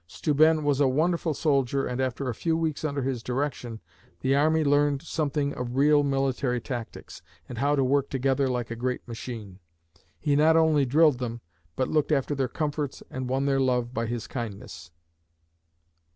Steuben was a wonderful soldier and after a few weeks under his direction, the army learned something of real military tactics, and how to work together like a great machine. He not only drilled them, but looked after their comforts and won their love by his kindness.